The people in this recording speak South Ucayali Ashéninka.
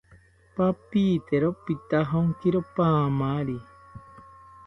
Papitero pitajonkiro paamari